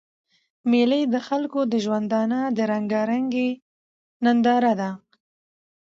مېلې د خلکو د ژوندانه د رنګارنګۍ ننداره ده.